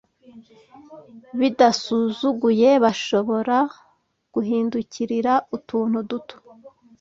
bidasuzuguye Bashobora guhindukirira utuntu duto